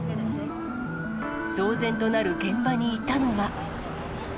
騒然となる現場にいたのは。